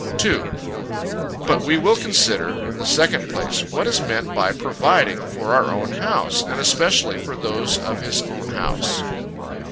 2. But we will consider in the second place, what is meant by providing for our own house? "and especially for those of his own house?"